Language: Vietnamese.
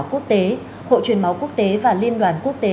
quốc tế hội truyền máu quốc tế và liên đoàn quốc tế